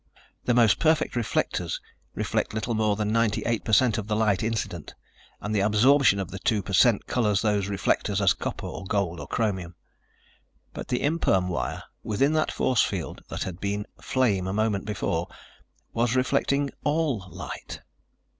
_ The most perfect reflectors reflect little more than 98 per cent of the light incident and the absorption of the two per cent colors those reflectors as copper or gold or chromium. But the imperm wire within that force field that had been flame a moment before, was reflecting all light.